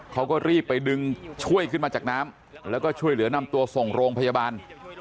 เขาก็รีบไปดึงช่วยขึ้นมาจากน้ำแล้วก็ช่วยเหลือนำตัวส่งโรงพยาบาล